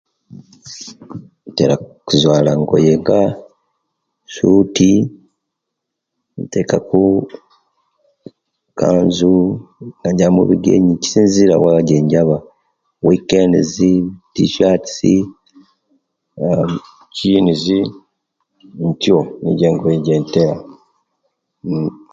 Ntera okuzwala ngoye nga esuti niteka ku kanzo ejamubigeni kisinzira wa ejenjaba kuwikendizi tisyati eem jinizi ntyo nijo engoye ejentaka